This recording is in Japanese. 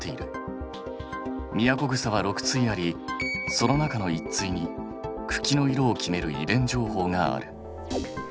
ミヤコグサは６対ありその中の１対に茎の色を決める遺伝情報がある。